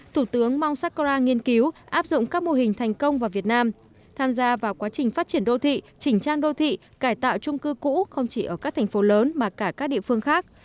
thủ tướng mong sakara nghiên cứu áp dụng các mô hình thành công vào việt nam tham gia vào quá trình phát triển đô thị chỉnh trang đô thị cải tạo trung cư cũ không chỉ ở các thành phố lớn mà cả các địa phương khác